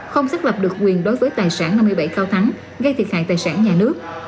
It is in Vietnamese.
không xác lập được quyền đối với tài sản năm mươi bảy cao thắng gây thiệt hại tài sản nhà nước